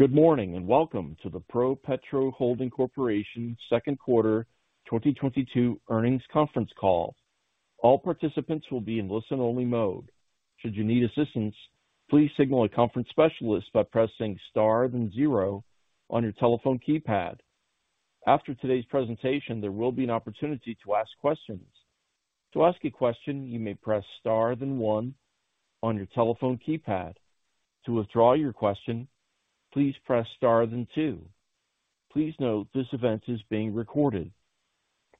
Good morning, and welcome to the ProPetro Holding Corp. second quarter 2022 earnings conference call. All participants will be in listen-only mode. Should you need assistance, please signal a conference specialist by pressing star then zero on your telephone keypad. After today's presentation, there will be an opportunity to ask questions. To ask a question, you may press Star then one on your telephone keypad. To withdraw your question, please press Star then two. Please note this event is being recorded.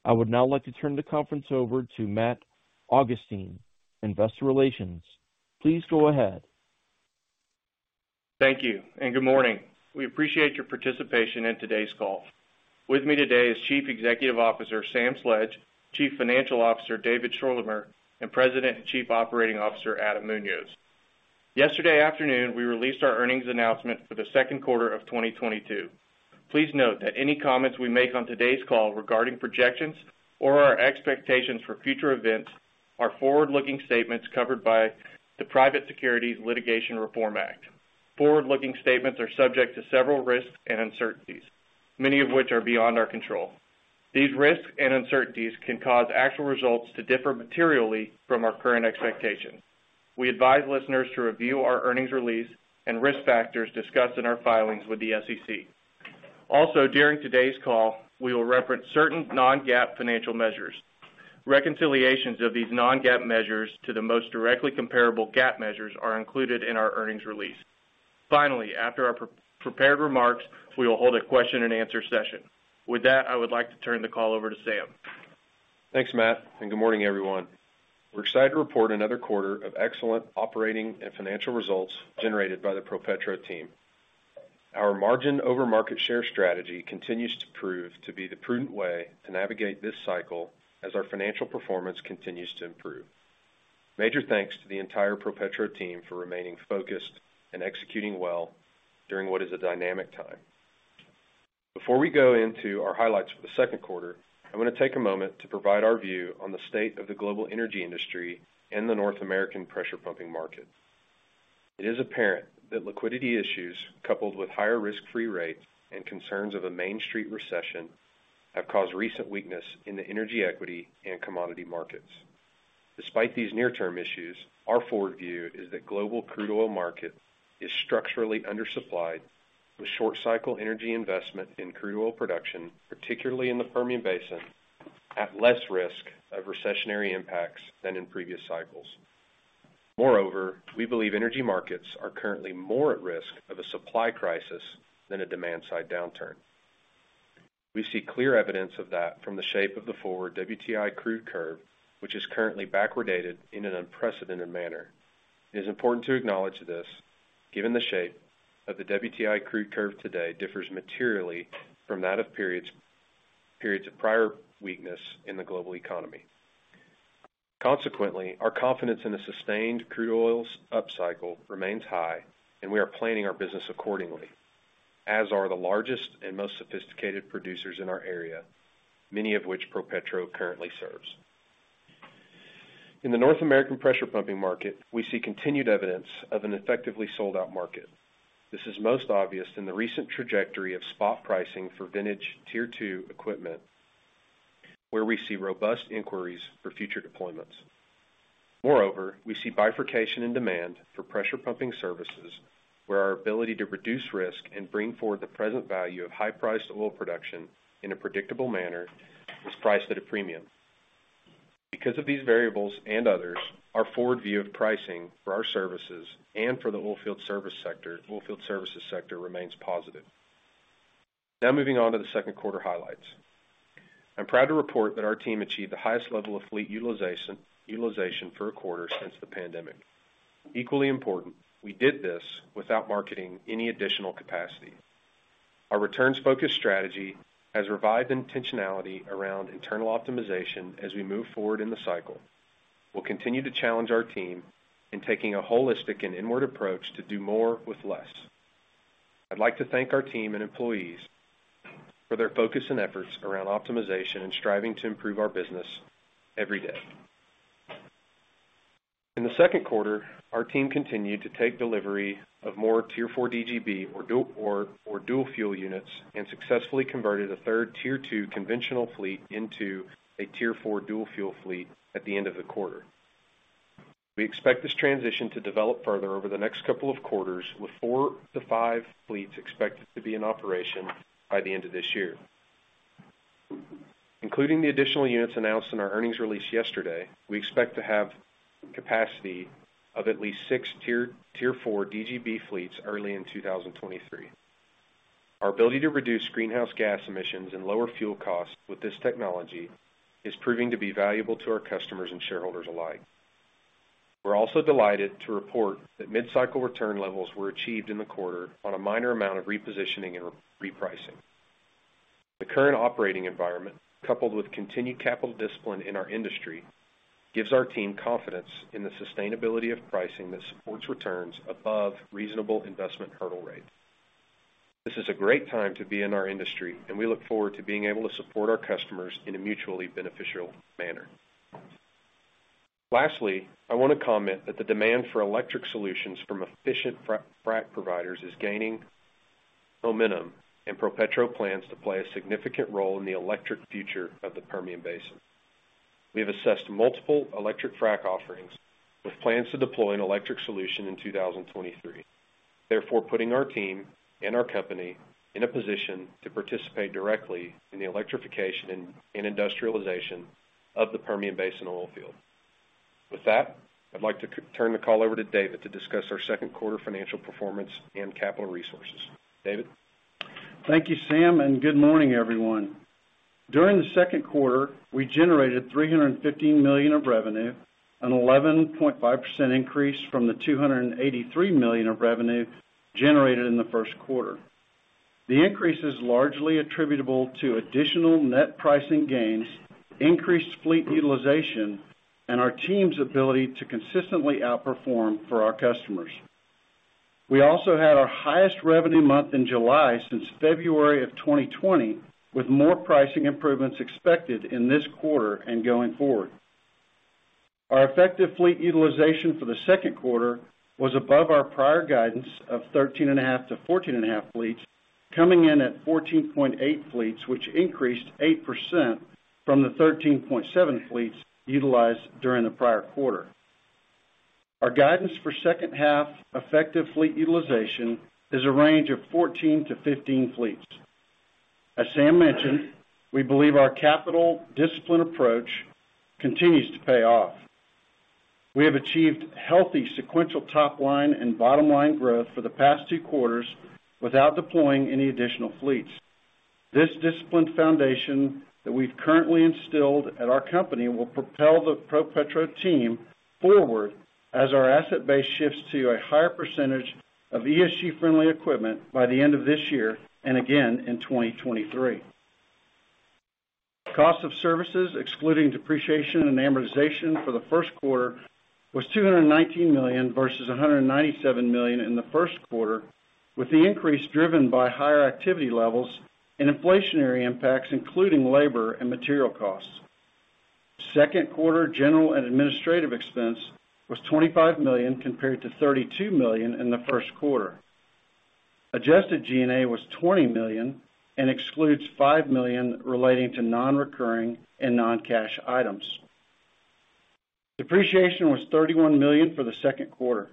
I would now like to turn the conference over to Matt Augustine, Investor Relations. Please go ahead. Thank you and good morning. We appreciate your participation in today's call. With me today is Chief Executive Officer, Sam Sledge, Chief Financial Officer, David Schorlemer, and President and Chief Operating Officer, Adam Munoz. Yesterday afternoon, we released our earnings announcement for the second quarter of 2022. Please note that any comments we make on today's call regarding projections or our expectations for future events are forward-looking statements covered by the Private Securities Litigation Reform Act. Forward-looking statements are subject to several risks and uncertainties, many of which are beyond our control. These risks and uncertainties can cause actual results to differ materially from our current expectations. We advise listeners to review our earnings release and risk factors discussed in our filings with the SEC. Also, during today's call, we will reference certain non-GAAP financial measures. Reconciliations of these non-GAAP measures to the most directly comparable GAAP measures are included in our earnings release. Finally, after our pre-prepared remarks, we will hold a Q&A session. With that, I would like to turn the call over to Sam. Thanks, Matt, and good morning, everyone. We're excited to report another quarter of excellent operating and financial results generated by the ProPetro team. Our margin over market share strategy continues to prove to be the prudent way to navigate this cycle as our financial performance continues to improve. Major thanks to the entire ProPetro team for remaining focused and executing well during what is a dynamic time. Before we go into our highlights for the second quarter, I'm gonna take a moment to provide our view on the state of the global energy industry and the North American pressure pumping market. It is apparent that liquidity issues, coupled with higher risk-free rates and concerns of a Main Street recession, have caused recent weakness in the energy equity and commodity markets. Despite these near-term issues, our forward view is that global crude oil market is structurally undersupplied, with short cycle energy investment in crude oil production, particularly in the Permian Basin, at less risk of recessionary impacts than in previous cycles. Moreover, we believe energy markets are currently more at risk of a supply crisis than a demand-side downturn. We see clear evidence of that from the shape of the forward WTI crude curve, which is currently backwardated in an unprecedented manner. It is important to acknowledge this, given the shape of the WTI crude curve today differs materially from that of periods of prior weakness in the global economy. Consequently, our confidence in a sustained crude oils upcycle remains high, and we are planning our business accordingly, as are the largest and most sophisticated producers in our area, many of which ProPetro currently serves. In the North American pressure pumping market, we see continued evidence of an effectively sold-out market. This is most obvious in the recent trajectory of spot pricing for vintage Tier two equipment, where we see robust inquiries for future deployments. Moreover, we see bifurcation in demand for pressure pumping services, where our ability to reduce risk and bring forward the present value of high-priced oil production in a predictable manner is priced at a premium. Because of these variables and others, our forward view of pricing for our services and for the oilfield services sector remains positive. Now moving on to the second quarter highlights. I'm proud to report that our team achieved the highest level of fleet utilization for a quarter since the pandemic. Equally important, we did this without marketing any additional capacity. Our returns-focused strategy has revived intentionality around internal optimization as we move forward in the cycle. We'll continue to challenge our team in taking a holistic and inward approach to do more with less. I'd like to thank our team and employees for their focus and efforts around optimization and striving to improve our business every day. In the second quarter, our team continued to take delivery of more Tier four DGB or dual fuel units and successfully converted a third Tier two conventional fleet into a Tier four dual fuel fleet at the end of the quarter. We expect this transition to develop further over the next couple of quarters, with 4-5 fleets expected to be in operation by the end of this year. Including the additional units announced in our earnings release yesterday, we expect to have capacity of at least six Tier four DGB fleets early in 2023. Our ability to reduce greenhouse gas emissions and lower fuel costs with this technology is proving to be valuable to our customers and shareholders alike. We're also delighted to report that mid-cycle return levels were achieved in the quarter on a minor amount of repositioning and repricing. The current operating environment, coupled with continued capital discipline in our industry, gives our team confidence in the sustainability of pricing that supports returns above reasonable investment hurdle rates. This is a great time to be in our industry, and we look forward to being able to support our customers in a mutually beneficial manner. Lastly, I wanna comment that the demand for electric solutions from efficient frac providers is gaining momentum, and ProPetro plans to play a significant role in the electric future of the Permian Basin. We have assessed multiple electric frac offerings with plans to deploy an electric solution in 2023. Therefore, putting our team and our company in a position to participate directly in the electrification and industrialization of the Permian Basin oil field. With that, I'd like to turn the call over to David to discuss our second quarter financial performance and capital resources. David? Thank you, Sam, and good morning, everyone. During the second quarter, we generated $315 million of revenue, an 11.5% increase from the $283 million of revenue generated in the first quarter. The increase is largely attributable to additional net pricing gains, increased fleet utilization, and our team's ability to consistently outperform for our customers. We also had our highest revenue month in July since February 2020, with more pricing improvements expected in this quarter and going forward. Our effective fleet utilization for the second quarter was above our prior guidance of 13.5-14.5 fleets, coming in at 14.8 fleets, which increased 8% from the 13.7 fleets utilized during the prior quarter. Our guidance for second half effective fleet utilization is a range of 14-15 fleets. As Sam mentioned, we believe our capital discipline approach continues to pay off. We have achieved healthy sequential top line and bottom line growth for the past two quarters without deploying any additional fleets. This disciplined foundation that we've currently instilled at our company will propel the ProPetro team forward as our asset base shifts to a higher percentage of ESG-friendly equipment by the end of this year and again in 2023. Cost of services excluding depreciation and amortization for the first quarter was $219 million versus $197 million in the first quarter, with the increase driven by higher activity levels and inflationary impacts, including labor and material costs. Second quarter general and administrative expense was $25 million compared to $32 million in the first quarter. Adjusted G&A was $20 million and excludes $5 million relating to non-recurring and non-cash items. Depreciation was $31 million for the second quarter.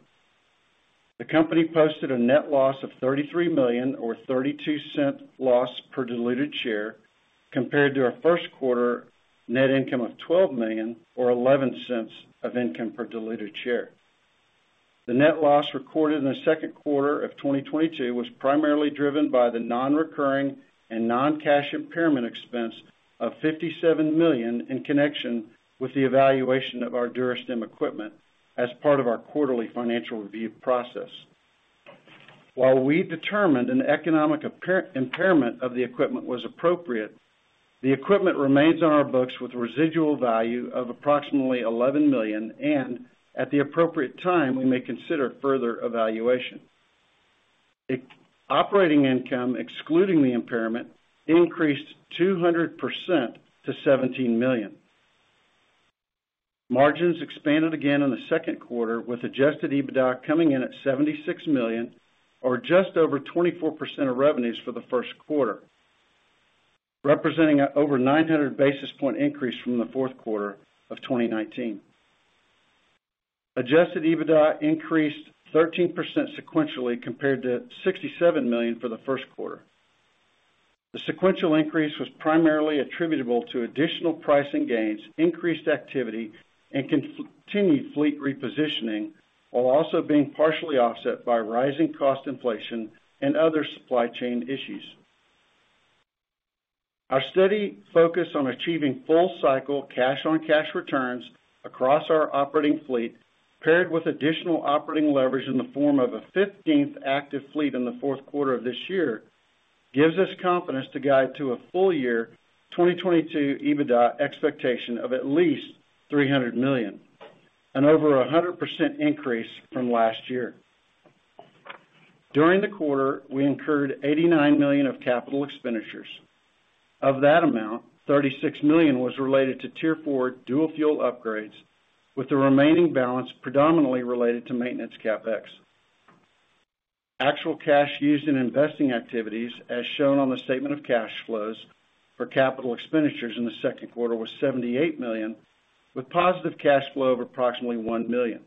The company posted a net loss of $33 million or $0.32 loss per diluted share compared to our first quarter net income of $12 million or $0.11 income per diluted share. The net loss recorded in the second quarter of 2022 was primarily driven by the non-recurring and non-cash impairment expense of $57 million in connection with the evaluation of our DuraStim equipment as part of our quarterly financial review process. While we determined an economic impairment of the equipment was appropriate, the equipment remains on our books with residual value of approximately $11 million, and at the appropriate time, we may consider further evaluation. The operating income, excluding the impairment, increased 200% to $17 million. Margins expanded again in the second quarter, with adjusted EBITDA coming in at $76 million or just over 24% of revenues for the first quarter, representing over 900 basis point increase from the fourth quarter of 2019. Adjusted EBITDA increased 13% sequentially compared to $67 million for the first quarter. The sequential increase was primarily attributable to additional pricing gains, increased activity, and continued fleet repositioning, while also being partially offset by rising cost inflation and other supply chain issues. Our steady focus on achieving full cycle cash-on-cash returns across our operating fleet, paired with additional operating leverage in the form of a 15th active fleet in the fourth quarter of this year, gives us confidence to guide to a full year 2022 EBITDA expectation of at least $300 million, an over 100% increase from last year. During the quarter, we incurred $89 million of capital expenditures. Of that amount, $36 million was related to Tier four dual fuel upgrades, with the remaining balance predominantly related to maintenance CapEx. Actual cash used in investing activities, as shown on the statement of cash flows for capital expenditures in the second quarter, was $78 million, with positive cash flow of approximately $1 million.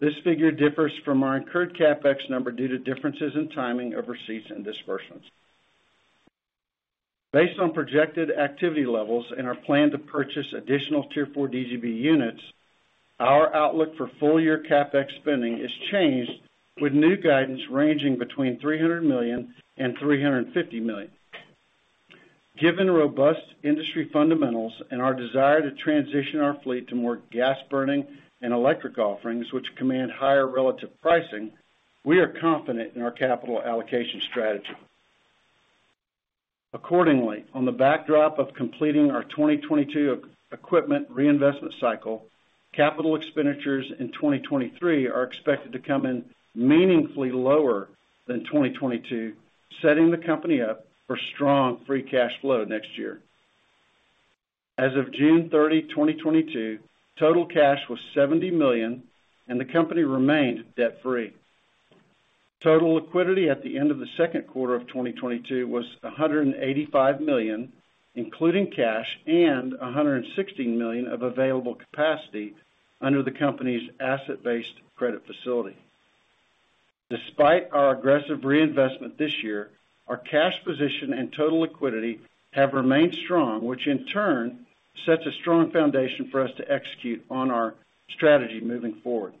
This figure differs from our incurred CapEx number due to differences in timing of receipts and disbursements. Based on projected activity levels and our plan to purchase additional Tier four DGB units, our outlook for full year CapEx spending is changed with new guidance ranging between $300 million and $350 million. Given robust industry fundamentals and our desire to transition our fleet to more gas burning and electric offerings, which command higher relative pricing, we are confident in our capital allocation strategy. Accordingly, on the backdrop of completing our 2022 equipment reinvestment cycle, capital expenditures in 2023 are expected to come in meaningfully lower than 2022. Setting the company up for strong free cash flow next year. As of June 30, 2022, total cash was $70 million and the company remained debt-free. Total liquidity at the end of the second quarter of 2022 was $185 million, including cash and $160 million of available capacity under the company's asset-based credit facility. Despite our aggressive reinvestment this year, our cash position and total liquidity have remained strong, which in turn sets a strong foundation for us to execute on our strategy moving forward.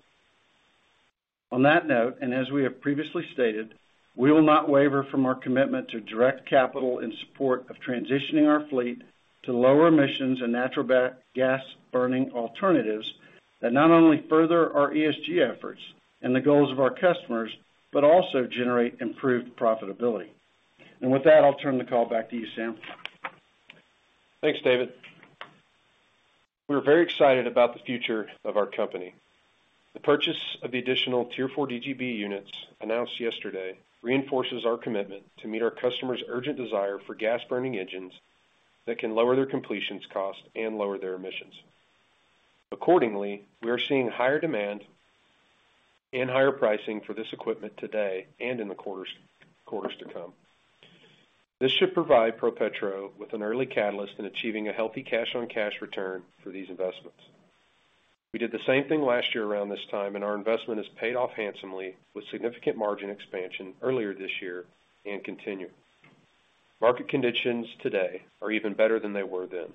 On that note, and as we have previously stated, we will not waver from our commitment to direct capital in support of transitioning our fleet to lower emissions and natural gas burning alternatives that not only further our ESG efforts and the goals of our customers, but also generate improved profitability. With that, I'll turn the call back to you, Sam. Thanks, David. We're very excited about the future of our company. The purchase of the additional Tier four DGB units announced yesterday reinforces our commitment to meet our customers' urgent desire for gas burning engines that can lower their completions cost and lower their emissions. Accordingly, we are seeing higher demand and higher pricing for this equipment today and in the quarters to come. This should provide ProPetro with an early catalyst in achieving a healthy cash on cash return for these investments. We did the same thing last year around this time, and our investment has paid off handsomely with significant margin expansion earlier this year and continue. Market conditions today are even better than they were then.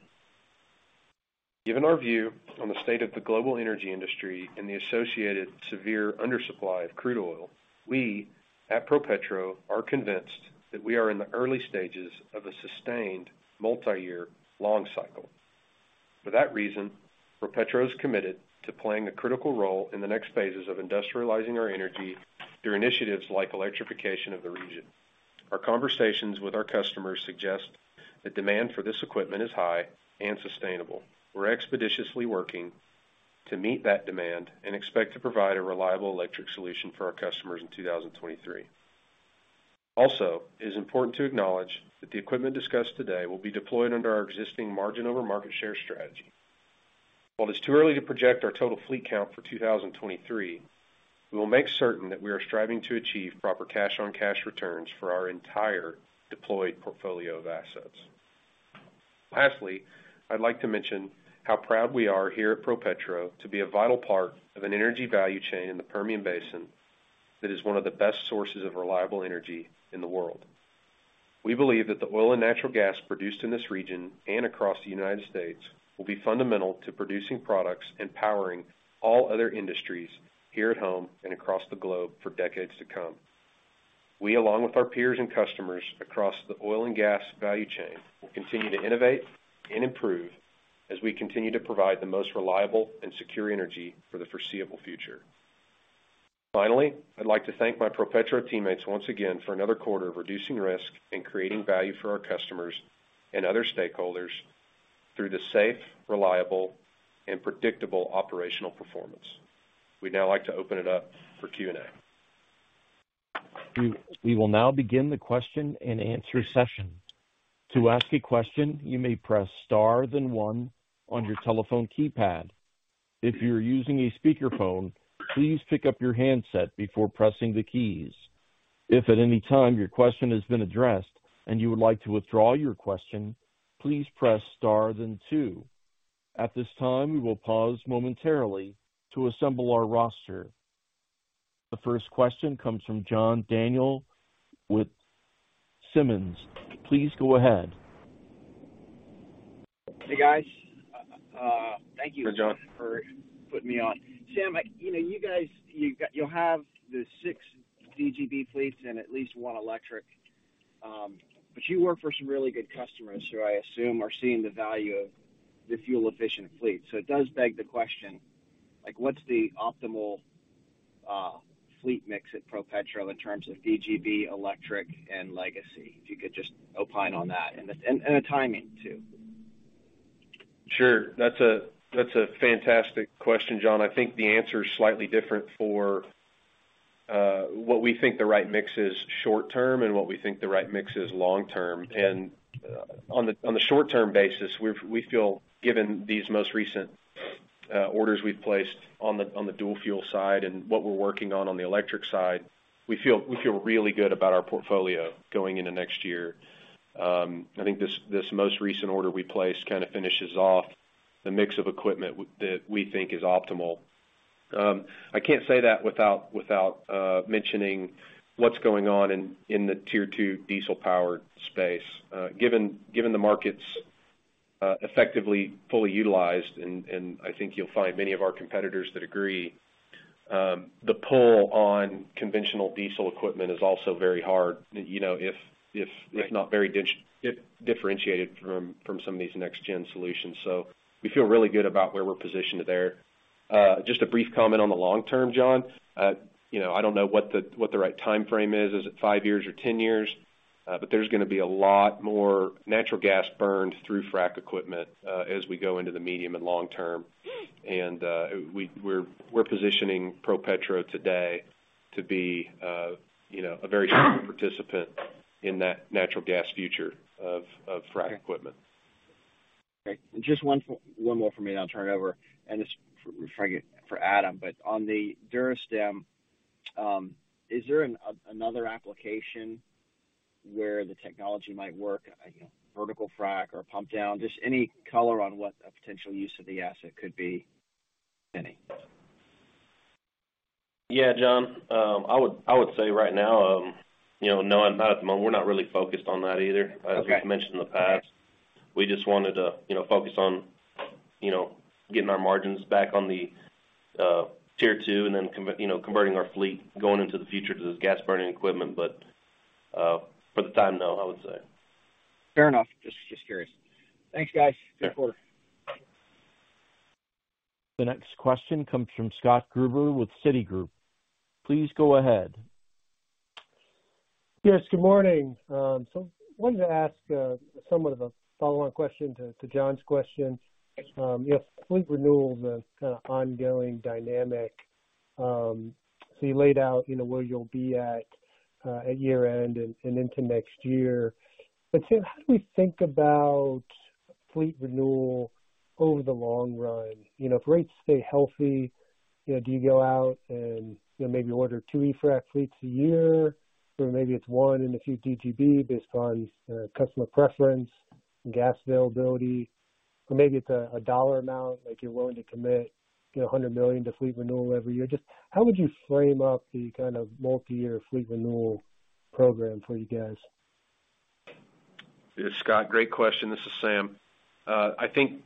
Given our view on the state of the global energy industry and the associated severe undersupply of crude oil, we at ProPetro are convinced that we are in the early stages of a sustained multi-year long cycle. For that reason, ProPetro is committed to playing a critical role in the next phases of industrializing our energy through initiatives like electrification of the region. Our conversations with our customers suggest that demand for this equipment is high and sustainable. We're expeditiously working to meet that demand and expect to provide a reliable electric solution for our customers in 2023. Also, it is important to acknowledge that the equipment discussed today will be deployed under our existing margin over market share strategy. While it's too early to project our total fleet count for 2023, we will make certain that we are striving to achieve proper cash-on-cash returns for our entire deployed portfolio of assets. Lastly, I'd like to mention how proud we are here at ProPetro to be a vital part of an energy value chain in the Permian Basin that is one of the best sources of reliable energy in the world. We believe that the oil and natural gas produced in this region and across the United States will be fundamental to producing products and powering all other industries here at home and across the globe for decades to come. We, along with our peers and customers across the oil and gas value chain, will continue to innovate and improve as we continue to provide the most reliable and secure energy for the foreseeable future. Finally, I'd like to thank my ProPetro teammates once again for another quarter of reducing risk and creating value for our customers and other stakeholders through the safe, reliable, and predictable operational performance. We'd now like to open it up for Q&A. We will now begin the Q&A session. To ask a question, you may press star then one on your telephone keypad. If you're using a speakerphone, please pick up your handset before pressing the keys. If at any time your question has been addressed and you would like to withdraw your question, please press star then two. At this time, we will pause momentarily to assemble our roster. The first question comes from John Daniel with Daniel Energy Partners. Please go ahead. Hey, guys. Thank you. Hey, John. For putting me on. Sam, you know, you guys, you have the 6 DGB fleets and at least one electric. You work for some really good customers who I assume are seeing the value of the fuel-efficient fleet. It does beg the question, like, what's the optimal fleet mix at ProPetro in terms of DGB, electric, and legacy? If you could just opine on that and the timing too. Sure. That's a fantastic question, John. I think the answer is slightly different for what we think the right mix is short term and what we think the right mix is long term. On the short-term basis, we feel given these most recent orders we've placed on the dual fuel side and what we're working on the electric side, we feel really good about our portfolio going into next year. I think this most recent order we placed kind of finishes off the mix of equipment that we think is optimal. I can't say that without mentioning what's going on in the Tier two diesel-powered space. Given the market's effectively fully utilized, and I think you'll find many of our competitors that agree, the pull on conventional diesel equipment is also very hard. You know, if not very differentiated from some of these next gen solutions. We feel really good about where we're positioned there. Just a brief comment on the long term, John. You know, I don't know what the right time frame is. Is it five years or 10 years? There's gonna be a lot more natural gas burned through frack equipment as we go into the medium and long term. We're positioning ProPetro today to be, you know, a very strong participant in that natural gas future of frack equipment. Okay. Just one more for me, then I'll turn it over. This for Adam. On the DuraStim, is there another application where the technology might work, you know, vertical frack or pump down? Just any color on what a potential use of the asset could be. Any. Yeah, John. I would say right now, you know, no, not at the moment. We're not really focused on that either. Okay. As we've mentioned in the past, we just wanted to, you know, focus on, you know, getting our margins back on the Tier two and then you know, converting our fleet going into the future to this gas burning equipment. For the time, no, I would say. Fair enough. Just curious. Thanks, guys. Good quarter. The next question comes from Scott Gruber with Citigroup. Please go ahead. Yes, good morning. Wanted to ask somewhat of a follow-on question to John's question. You have fleet renewal as a kinda ongoing dynamic. You laid out, you know, where you'll be at year-end and into next year. Sam, how do we think about fleet renewal over the long run? You know, if rates stay healthy, you know, do you go out and, you know, maybe order two eFrac fleets a year, or maybe it's one and a few DGB based on customer preference, gas availability. Maybe it's a dollar amount, like you're willing to commit, you know, $100 million to fleet renewal every year. Just how would you frame up the kind of multi-year fleet renewal program for you guys? Yeah, Scott, great question. This is Sam. I think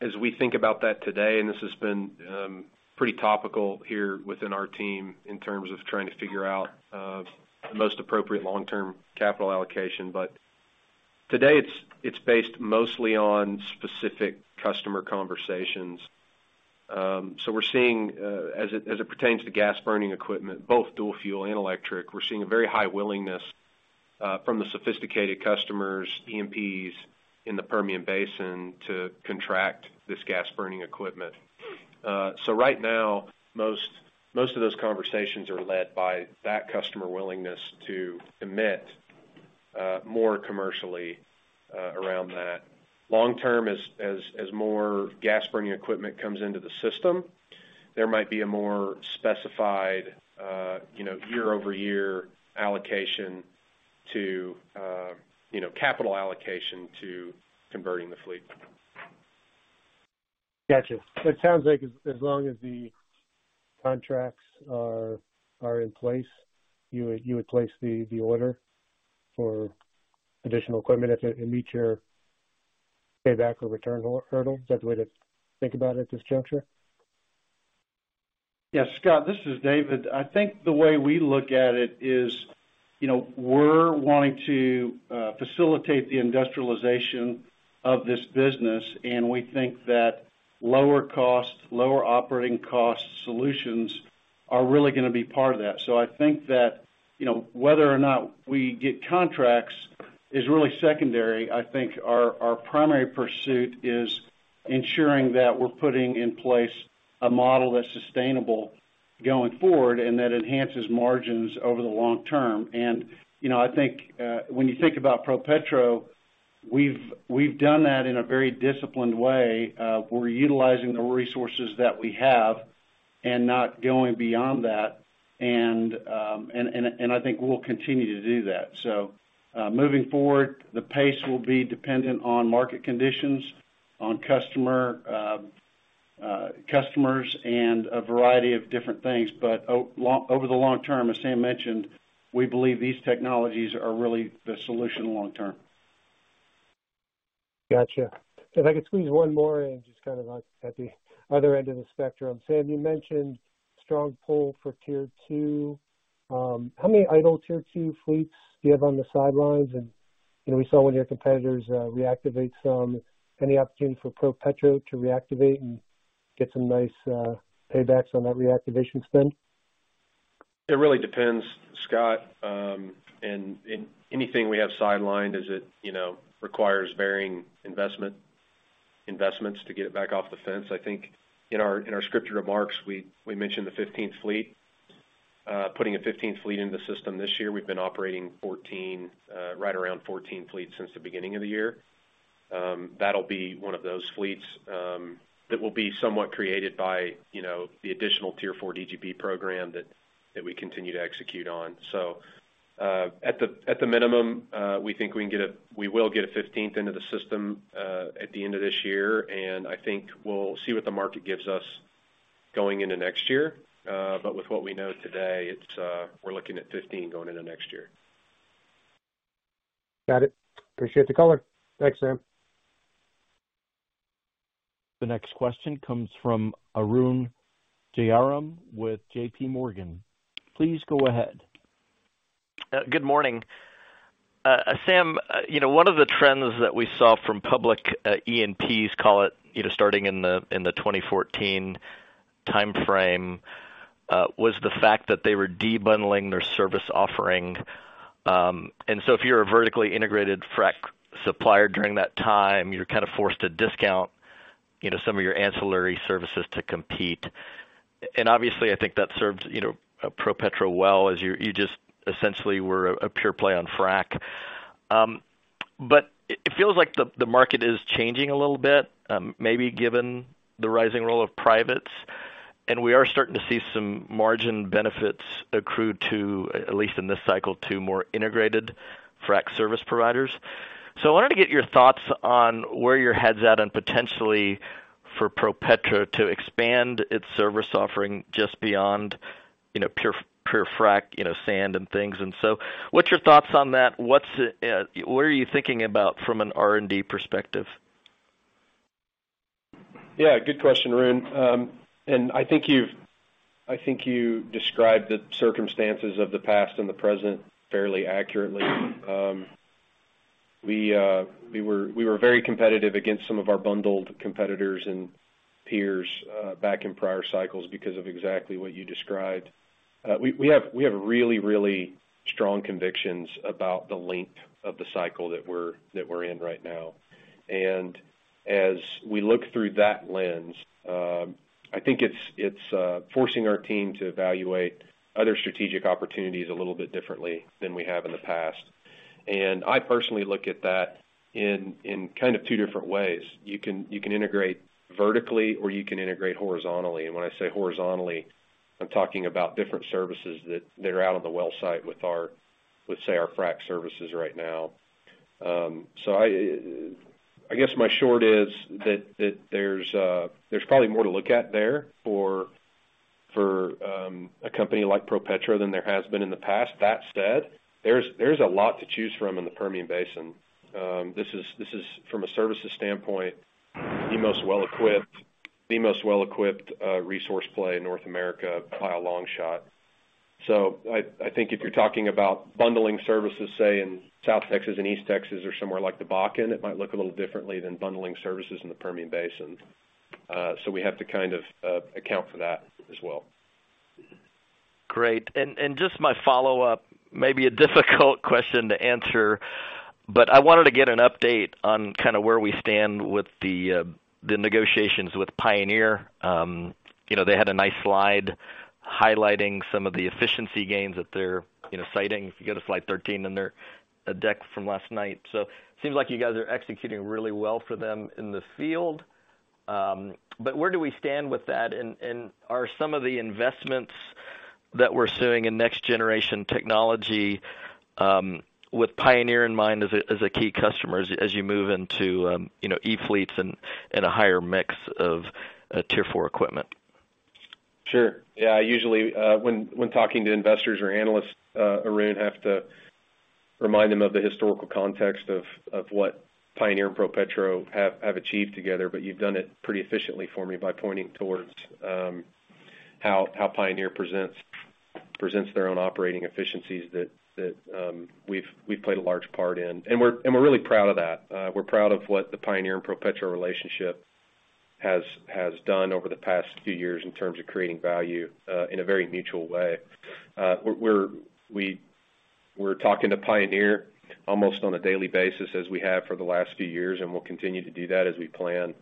as we think about that today, and this has been pretty topical here within our team in terms of trying to figure out the most appropriate long-term capital allocation. Today it's based mostly on specific customer conversations. We're seeing as it pertains to gas burning equipment, both dual fuel and electric, we're seeing a very high willingness from the sophisticated customers, E&Ps in the Permian Basin to contract this gas burning equipment. Right now, most of those conversations are led by that customer willingness to commit more commercially around that. Long term, as more gas burning equipment comes into the system, there might be a more specified, you know, year-over-year allocation to, you know, capital allocation to converting the fleet. Gotcha. It sounds like as long as the contracts are in place, you would place the order for additional equipment if it meet your payback or return hurdle. Is that the way to think about it at this juncture? Yes. Scott, this is David. I think the way we look at it is, you know, we're wanting to facilitate the industrialization of this business, and we think that lower cost, lower operating cost solutions are really gonna be part of that. I think that, you know, whether or not we get contracts is really secondary. I think our primary pursuit is ensuring that we're putting in place a model that's sustainable going forward and that enhances margins over the long term. You know, I think, when you think about ProPetro, we've done that in a very disciplined way. We're utilizing the resources that we have and not going beyond that. I think we'll continue to do that. Moving forward, the pace will be dependent on market conditions, on customers and a variety of different things. Over the long term, as Sam mentioned, we believe these technologies are really the solution long term. Gotcha. If I could squeeze one more in, just kind of like at the other end of the spectrum. Sam, you mentioned strong pull for Tier two. How many idle Tier two fleets do you have on the sidelines? And, you know, we saw one of your competitors reactivate some. Any opportunity for ProPetro to reactivate and get some nice paybacks on that reactivation spend? It really depends, Scott. Anything we have sidelined, it's, you know, requires varying investments to get it back off the fence. I think in our scripted remarks, we mentioned the 15th fleet. Putting a 15th fleet into the system this year. We've been operating 14, right around 14 fleets since the beginning of the year. That'll be one of those fleets, that will be somewhat created by, you know, the additional Tier four DGB program that we continue to execute on. So, at the minimum, we think we will get a 15th into the system, at the end of this year. I think we'll see what the market gives us going into next year. with what we know today, it's, we're looking at 15 going into next year. Got it. Appreciate the color. Thanks, Sam. The next question comes from Arun Jayaram with JPMorgan. Please go ahead. Good morning. Sam, you know, one of the trends that we saw from public E&Ps, call it, you know, starting in the 2014 timeframe, was the fact that they were debundling their service offering. If you're a vertically integrated frac supplier during that time, you're kind of forced to discount. You know, some of your ancillary services to compete. Obviously, I think that serves, you know, ProPetro well as you just essentially were a pure play on frac. It feels like the market is changing a little bit, maybe given the rising role of privates, and we are starting to see some margin benefits accrue to, at least in this cycle, to more integrated frac service providers. I wanted to get your thoughts on where your head's at and potentially for ProPetro to expand its service offering just beyond, you know, pure frac, you know, sand and things. What's your thoughts on that? What's it, what are you thinking about from an R&D perspective? Yeah, good question, Arun. I think you described the circumstances of the past and the present fairly accurately. We were very competitive against some of our bundled competitors and peers back in prior cycles because of exactly what you described. We have really strong convictions about the length of the cycle that we're in right now. As we look through that lens, I think it's forcing our team to evaluate other strategic opportunities a little bit differently than we have in the past. I personally look at that in kind of two different ways. You can integrate vertically or you can integrate horizontally. When I say horizontally, I'm talking about different services that they're out on the well site with, say, our frac services right now. I guess my short is that there's probably more to look at there for a company like ProPetro than there has been in the past. That said, there's a lot to choose from in the Permian Basin. This is, from a services standpoint, the most well-equipped resource play in North America by a long shot. I think if you're talking about bundling services, say, in South Texas and East Texas or somewhere like the Bakken, it might look a little differently than bundling services in the Permian Basin. We have to kind of account for that as well. Great. Just my follow-up, maybe a difficult question to answer, but I wanted to get an update on kind of where we stand with the negotiations with Pioneer. You know, they had a nice slide highlighting some of the efficiency gains that they're you know citing. If you go to slide 13 in their deck from last night. Seems like you guys are executing really well for them in the field. But where do we stand with that? And are some of the investments that we're seeing in next-generation technology with Pioneer in mind as a key customer as you move into you know e-fleets and a higher mix of Tier four equipment? Sure. Yeah, usually when talking to investors or analysts, Arun, have to remind them of the historical context of what Pioneer and ProPetro have achieved together, but you've done it pretty efficiently for me by pointing towards how Pioneer presents their own operating efficiencies that we've played a large part in. We're really proud of that. We're proud of what the Pioneer and ProPetro relationship has done over the past few years in terms of creating value in a very mutual way. We're talking to Pioneer almost on a daily basis as we have for the last few years, and we'll continue to do that as we plan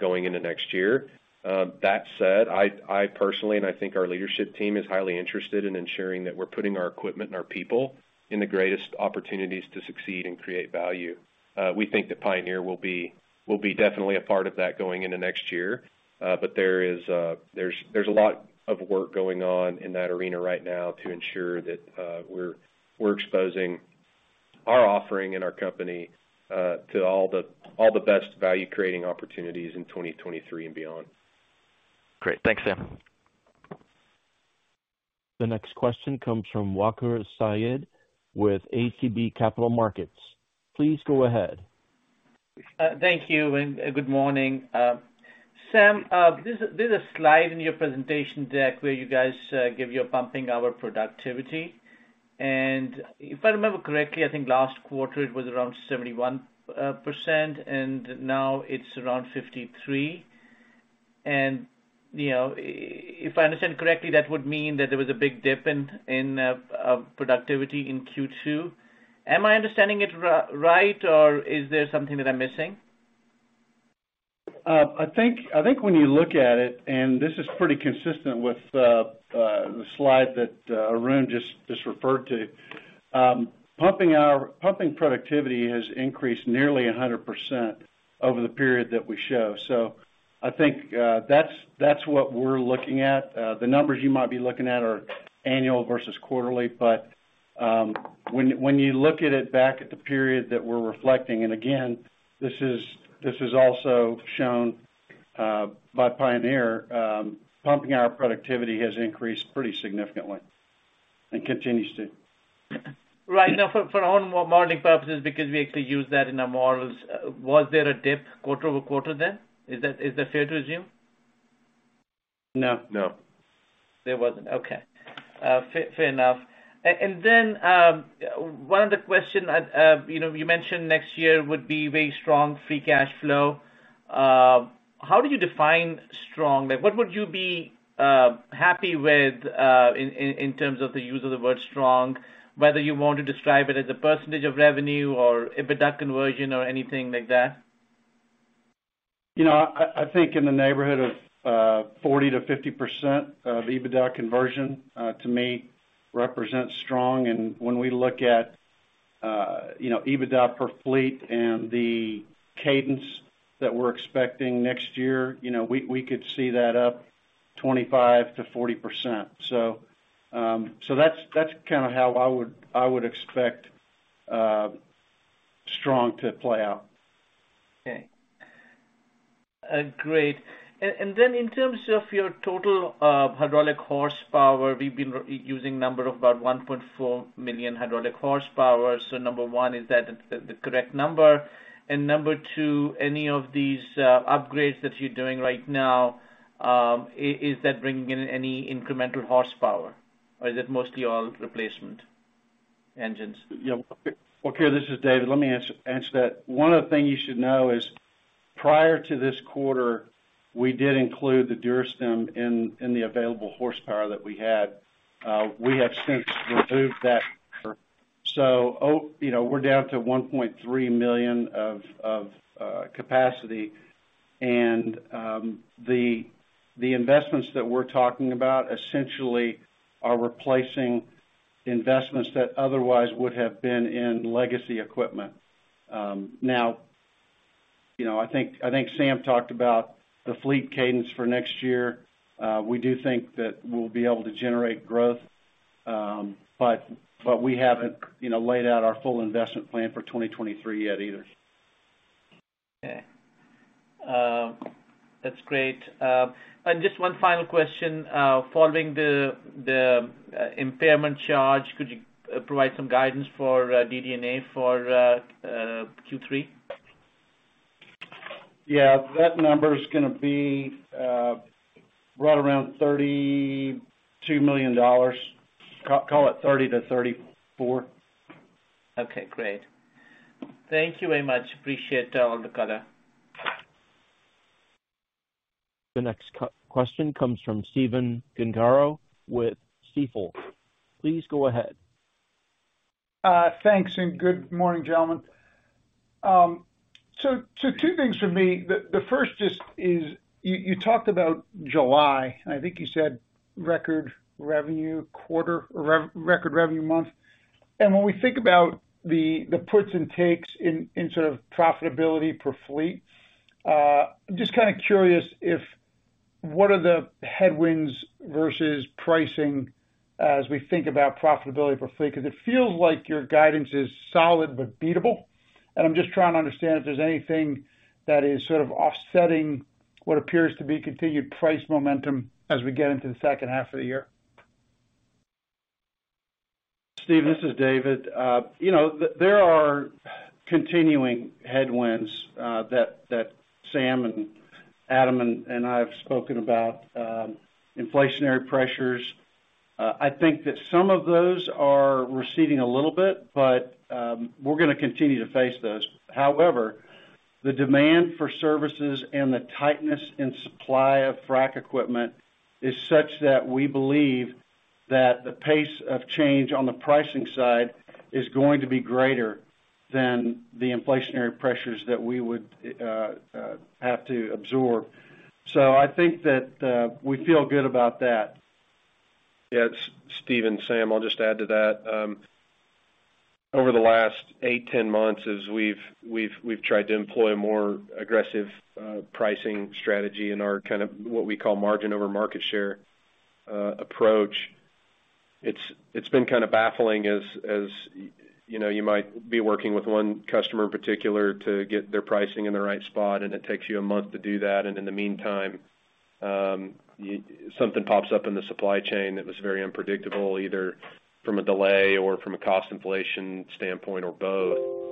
going into next year. That said, I personally and I think our leadership team is highly interested in ensuring that we're putting our equipment and our people in the greatest opportunities to succeed and create value. We think that Pioneer will be definitely a part of that going into next year. There is a lot of work going on in that arena right now to ensure that we're exposing our offering and our company to all the best value-creating opportunities in 2023 and beyond. Great. Thanks, Sam. The next question comes from Waqar Syed with ATB Capital Markets. Please go ahead. Thank you, and good morning. Sam, there's a slide in your presentation deck where you guys give your pumping hour productivity. If I remember correctly, I think last quarter it was around 71%, and now it's around 53%. You know, if I understand correctly, that would mean that there was a big dip in productivity in Q2. Am I understanding it right, or is there something that I'm missing? I think when you look at it, and this is pretty consistent with the slide that Arun just referred to. Pumping productivity has increased nearly 100% over the period that we show. I think that's what we're looking at. The numbers you might be looking at are annual versus quarterly. When you look at it back at the period that we're reflecting, and again, this is also shown by Pioneer, pumping our productivity has increased pretty significantly and continues to. Right. Now, for our modeling purposes, because we actually use that in our models, was there a dip quarter-over-quarter then? Is that fair to assume? No. No. There wasn't. Okay. Fair enough. One other question. You know, you mentioned next year would be very strong free cash flow. How do you define strong? Like, what would you be happy with, in terms of the use of the word strong, whether you want to describe it as a percentage of revenue or EBITDA conversion or anything like that? You know, I think in the neighborhood of 40%-50% of EBITDA conversion to me represents strong. When we look at you know EBITDA per fleet and the cadence that we're expecting next year, you know, we could see that up 25%-40%. That's kind of how I would expect strong to play out. Okay. Great. In terms of your total hydraulic horsepower, we've been using number of about 1.4 million hydraulic horsepower. Number one, is that the correct number? Number two, any of these upgrades that you're doing right now, is that bringing in any incremental horsepower, or is it mostly all replacement engines? Yeah. Well, Waqar, this is David. Let me answer that. One of the things you should know is prior to this quarter, we did include the DuraStim in the available horsepower that we had. We have since removed that. You know, we're down to 1.3 million of capacity. The investments that we're talking about essentially are replacing investments that otherwise would have been in legacy equipment. Now, you know, I think Sam talked about the fleet cadence for next year. We do think that we'll be able to generate growth, but we haven't laid out our full investment plan for 2023 yet either. Okay. That's great. Just one final question. Following the impairment charge, could you provide some guidance for DD&A for Q3? Yeah. That number's gonna be right around $32 million. Call it $30 million-$34 million. Okay, great. Thank you very much. Appreciate all the color. The next question comes from Stephen Gengaro with Stifel. Please go ahead. Thanks, and good morning, gentlemen. So two things from me. The first just is you talked about July, and I think you said record revenue quarter or record revenue month. When we think about the puts and takes in sort of profitability per fleet, I'm just kind of curious if what are the headwinds versus pricing as we think about profitability per fleet? 'Cause it feels like your guidance is solid but beatable. I'm just trying to understand if there's anything that is sort of offsetting what appears to be continued price momentum as we get into the second half of the year. Stephen, this is David. You know, there are continuing headwinds that Sam and Adam and I have spoken about, inflationary pressures. I think that some of those are receding a little bit, but we're gonna continue to face those. However, the demand for services and the tightness in supply of frac equipment is such that we believe that the pace of change on the pricing side is going to be greater than the inflationary pressures that we would have to absorb. I think that we feel good about that. Yeah. It's Stephen, Sam, I'll just add to that. Over the last 8-10 months, as we've tried to employ a more aggressive pricing strategy in our kind of what we call margin over market share approach. It's been kind of baffling as you know, you might be working with one customer in particular to get their pricing in the right spot, and it takes you a month to do that. In the meantime, you, something pops up in the supply chain that was very unpredictable, either from a delay or from a cost inflation standpoint or both.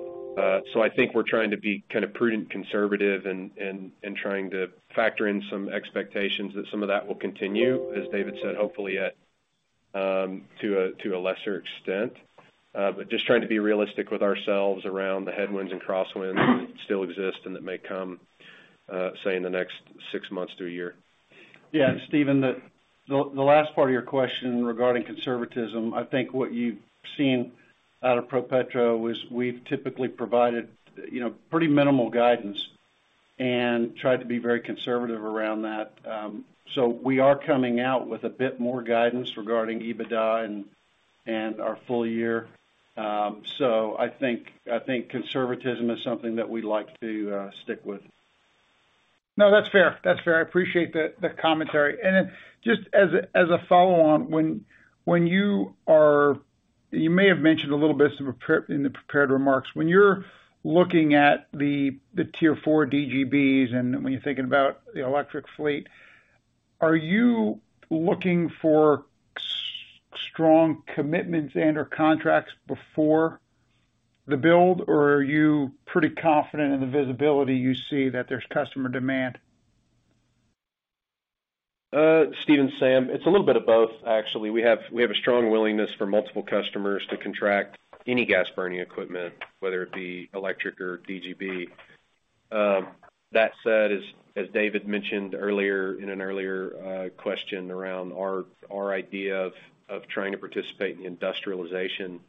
I think we're trying to be kind of prudent conservative and trying to factor in some expectations that some of that will continue, as David said, hopefully at to a lesser extent. Just trying to be realistic with ourselves around the headwinds and crosswinds that still exist and that may come, say, in the next six months to a year. Yeah. Stephen, the last part of your question regarding conservatism, I think what you've seen out of ProPetro was we've typically provided, you know, pretty minimal guidance and tried to be very conservative around that. We are coming out with a bit more guidance regarding EBITDA and our full year. I think conservatism is something that we'd like to stick with. No, that's fair. That's fair. I appreciate the commentary. Just as a follow-on, you may have mentioned in the prepared remarks. When you're looking at the Tier four DGBs and when you're thinking about the electric fleet, are you looking for strong commitments and/or contracts before the build, or are you pretty confident in the visibility you see that there's customer demand? Stephen, Sam, it's a little bit of both actually. We have a strong willingness for multiple customers to contract any gas burning equipment, whether it be electric or DGB. That said, as David mentioned earlier in an earlier question around our idea of trying to participate in the industrialization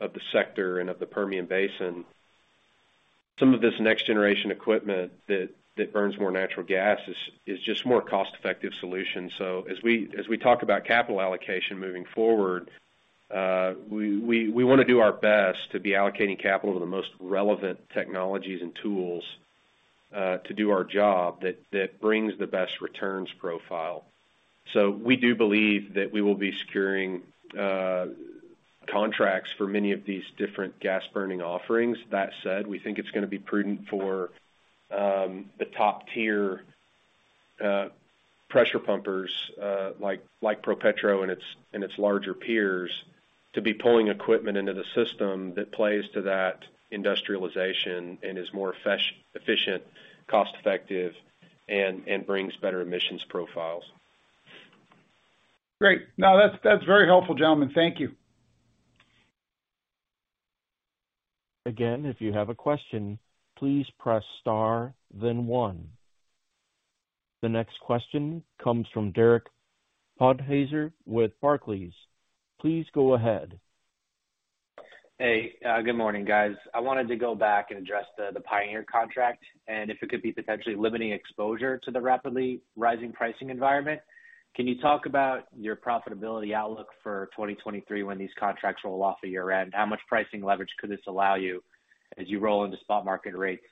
of the sector and of the Permian Basin. Some of this next-generation equipment that burns more natural gas is just more cost-effective solution. As we talk about capital allocation moving forward, we wanna do our best to be allocating capital to the most relevant technologies and tools to do our job that brings the best returns profile. We do believe that we will be securing contracts for many of these different gas burning offerings. That said, we think it's gonna be prudent for the top-tier pressure pumpers like ProPetro and its larger peers to be pulling equipment into the system that plays to that industrialization and is more efficient, cost-effective, and brings better emissions profiles. Great. No, that's very helpful, gentlemen. Thank you. Again, if you have a question, please press star then one. The next question comes from Derek Podhaizer with Barclays. Please go ahead. Hey, good morning, guys. I wanted to go back and address the Pioneer contract, and if it could be potentially limiting exposure to the rapidly rising pricing environment. Can you talk about your profitability outlook for 2023 when these contracts roll off at year-end? How much pricing leverage could this allow you as you roll into spot market rates,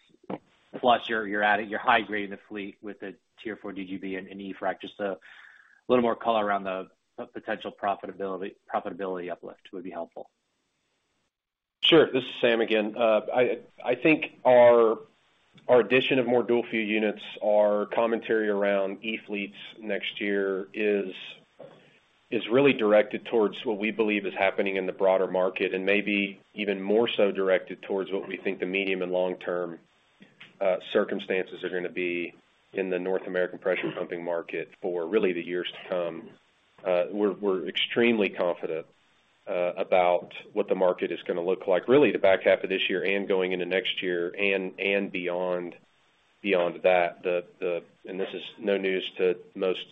plus you're high-grading the fleet with a Tier four DGB and an eFrac? Just a little more color around the potential profitability uplift would be helpful. Sure. This is Sam again. I think our addition of more dual-fuel units, our commentary around e-fleets next year is really directed towards what we believe is happening in the broader market, and maybe even more so directed towards what we think the medium and long-term circumstances are gonna be in the North American pressure pumping market for really the years to come. We're extremely confident about what the market is gonna look like, really the back half of this year and going into next year and beyond that. This is no news to most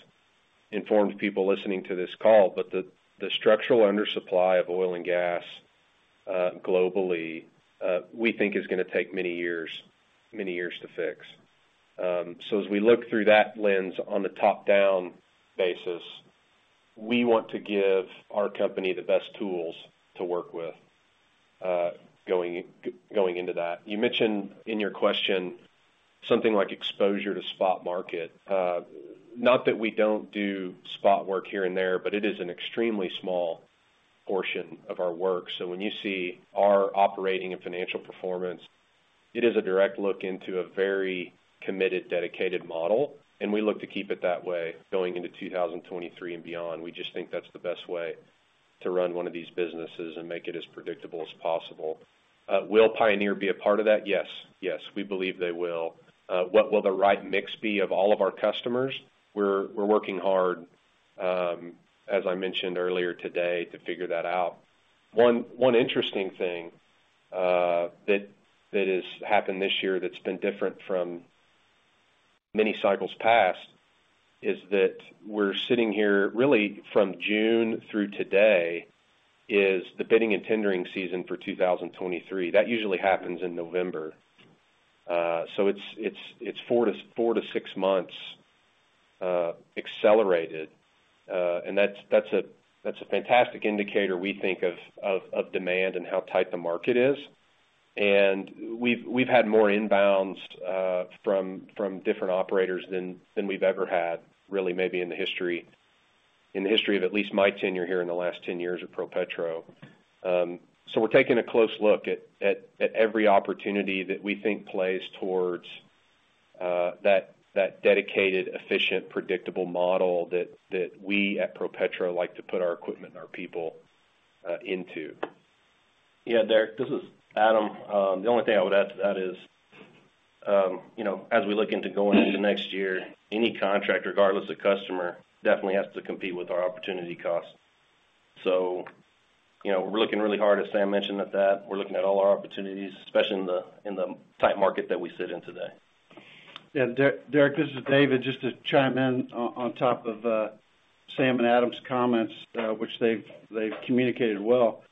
informed people listening to this call, but the structural undersupply of oil and gas globally we think is gonna take many years to fix. As we look through that lens on a top-down basis, we want to give our company the best tools to work with, going into that. You mentioned in your question something like exposure to spot market. Not that we don't do spot work here and there, but it is an extremely small portion of our work. When you see our operating and financial performance, it is a direct look into a very committed, dedicated model, and we look to keep it that way going into 2023 and beyond. We just think that's the best way to run one of these businesses and make it as predictable as possible. Will Pioneer be a part of that? Yes. Yes, we believe they will. What will the right mix be of all of our customers? We're working hard, as I mentioned earlier today, to figure that out. One interesting thing that has happened this year that's been different from many cycles past is that we're sitting here really from June through today is the bidding and tendering season for 2023. That usually happens in November. It's four to six months accelerated. That's a fantastic indicator we think of demand and how tight the market is. We've had more inbounds from different operators than we've ever had really maybe in the history of at least my tenure here in the last 10 years at ProPetro. We're taking a close look at every opportunity that we think plays towards that dedicated, efficient, predictable model that we at ProPetro like to put our equipment and our people into. Yeah, Derek, this is Adam. The only thing I would add to that is, you know, as we look into going into next year, any contract, regardless of customer, definitely has to compete with our opportunity cost. You know, we're looking really hard, as Sam mentioned, at that. We're looking at all our opportunities, especially in the tight market that we sit in today. Yeah, Derek, this is David. Just to chime in on top of Sam and Adam's comments, which they've communicated well.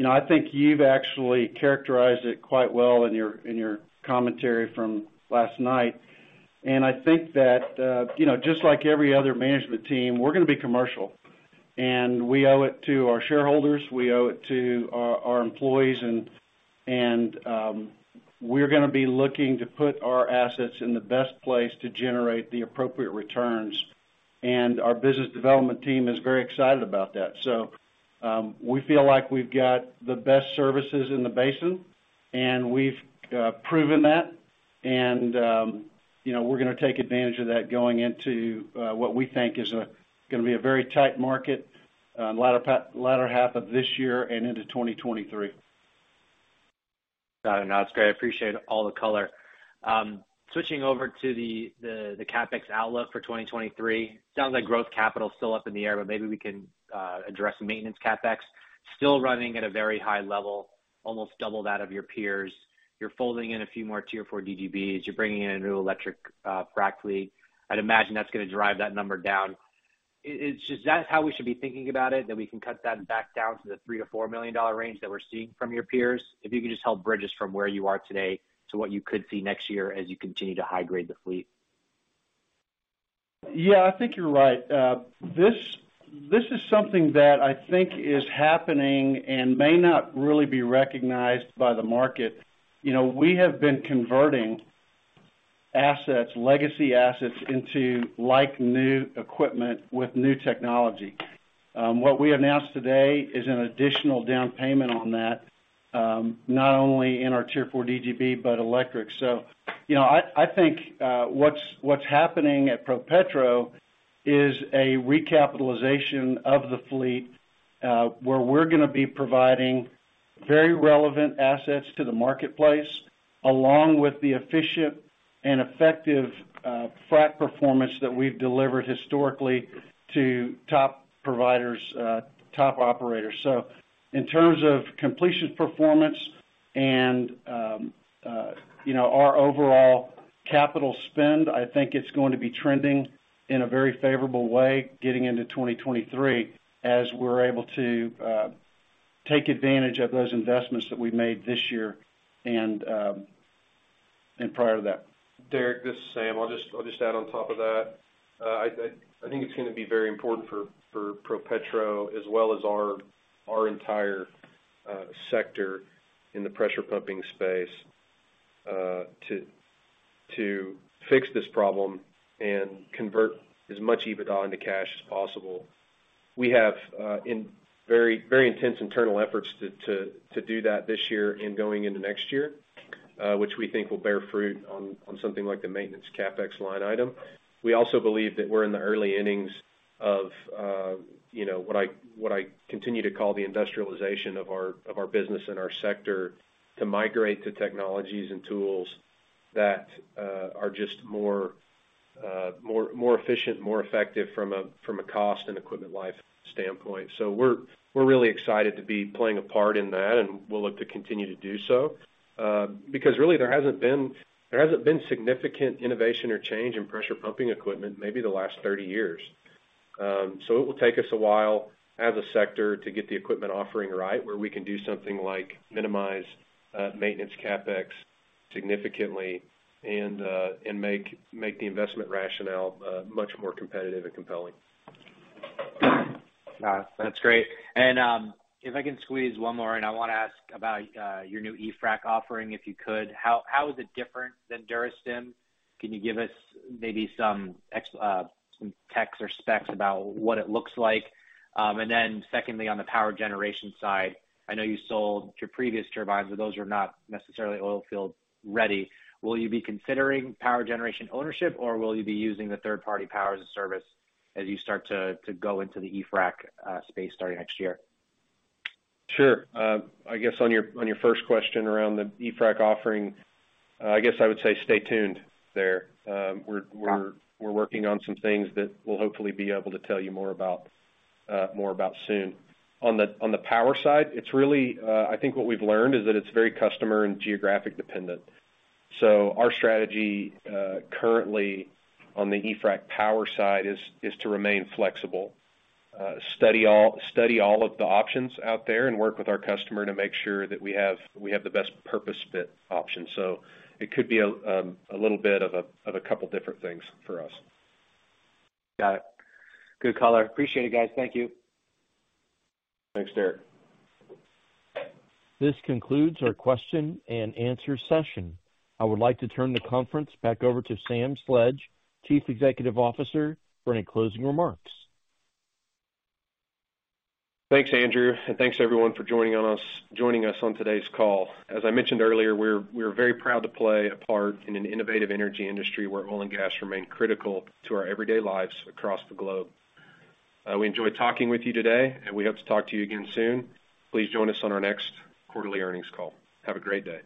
You know, I think you've actually characterized it quite well in your commentary from last night. I think that, you know, just like every other management team, we're gonna be commercial, and we owe it to our shareholders, we owe it to our employees, and we're gonna be looking to put our assets in the best place to generate the appropriate returns. Our business development team is very excited about that. We feel like we've got the best services in the basin, and we've proven that. You know, we're gonna take advantage of that going into what we think is gonna be a very tight market, latter half of this year and into 2023. Got it. No, that's great. I appreciate all the color. Switching over to the CapEx outlook for 2023. Sounds like growth capital is still up in the air, but maybe we can address the maintenance CapEx. Still running at a very high level, almost double that of your peers. You're folding in a few more Tier four DGBs. You're bringing in a new electric frac fleet. I'd imagine that's gonna drive that number down. It's just that's how we should be thinking about it, that we can cut that back down to the $3 million-$4 million range that we're seeing from your peers. If you could just help bridge us from where you are today to what you could see next year as you continue to high grade the fleet. Yeah, I think you're right. This is something that I think is happening and may not really be recognized by the market. You know, we have been converting assets, legacy assets into like new equipment with new technology. What we announced today is an additional down payment on that, not only in our Tier four DGB, but electric. I think what's happening at ProPetro is a recapitalization of the fleet, where we're gonna be providing very relevant assets to the marketplace, along with the efficient and effective frac performance that we've delivered historically to top providers, top operators. In terms of completion performance and, you know, our overall capital spend, I think it's going to be trending in a very favorable way getting into 2023, as we're able to take advantage of those investments that we made this year and prior to that. Derek, this is Sam. I'll just add on top of that. I think it's gonna be very important for ProPetro as well as our entire sector in the pressure pumping space to fix this problem and convert as much EBITDA into cash as possible. We have in very intense internal efforts to do that this year and going into next year, which we think will bear fruit on something like the maintenance CapEx line item. We also believe that we're in the early innings of, you know, what I continue to call the industrialization of our business and our sector to migrate to technologies and tools that are just more efficient, more effective from a cost and equipment life standpoint. We're really excited to be playing a part in that, and we'll look to continue to do so, because really there hasn't been significant innovation or change in pressure pumping equipment maybe the last 30 years. It will take us a while as a sector to get the equipment offering right, where we can do something like minimize maintenance CapEx significantly and make the investment rationale much more competitive and compelling. Got it. That's great. If I can squeeze one more in, I wanna ask about your new eFrac offering, if you could. How is it different than DuraStim? Can you give us maybe some techs or specs about what it looks like? And then secondly, on the power generation side, I know you sold your previous turbines, but those are not necessarily oil field ready. Will you be considering power generation ownership, or will you be using the third-party power as a service as you start to go into the eFrac space starting next year? Sure. I guess on your first question around the eFrac offering, I guess I would say stay tuned there. We're working on some things that we'll hopefully be able to tell you more about soon. On the power side, it's really, I think what we've learned is that it's very customer and geographic dependent. Our strategy currently on the eFrac power side is to remain flexible, study all of the options out there and work with our customer to make sure that we have the best purpose fit option. It could be a little bit of a couple different things for us. Got it. Good call. I appreciate it, guys. Thank you. Thanks, Derek. This concludes our Q&A session. I would like to turn the conference back over to Sam Sledge, Chief Executive Officer, for any closing remarks. Thanks, Andrew, and thanks everyone for joining us on today's call. As I mentioned earlier, we're very proud to play a part in an innovative energy industry where oil and gas remain critical to our everyday lives across the globe. We enjoyed talking with you today, and we hope to talk to you again soon. Please join us on our next quarterly earnings call. Have a great day.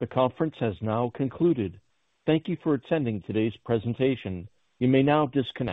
The conference has now concluded. Thank you for attending today's presentation. You may now disconnect.